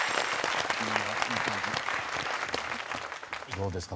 どうですか？